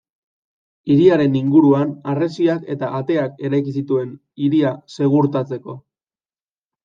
Hiriaren inguruan harresiak eta ateak eraiki zituen hiria segurtatzeko.